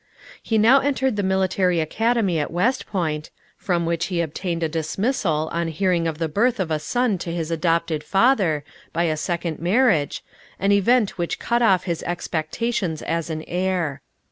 He now entered the military academy at West Point, from which he obtained a dismissal on hearing of the birth of a son to his adopted father, by a second marriage, an event which cut off his expectations as an heir.